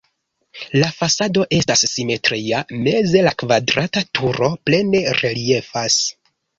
La fasado estas simetria, meze la kvadrata turo plene reliefas.